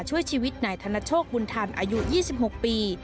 ช่วยชีวิตนายธนโชคบุญธรรมอายุ๒๖ปี